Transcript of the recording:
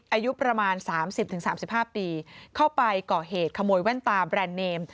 อายุประมาณ๓๐๓๕ปีเข้าไปก่อเหตุขโมยแว่นตาแบรนด์เนม